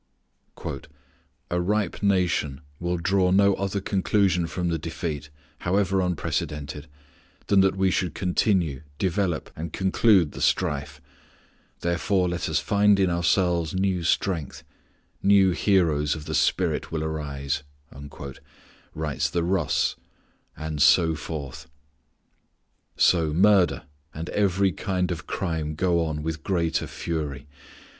"A ripe nation will draw no other conclusion from the defeat, however unprecedented, than that we should continue, develop, and conclude the strife; therefore let us find in ourselves new strength; new heroes of the spirit will arise," writes the Russ, and so forth. So murder and every kind of crime go on with greater fury.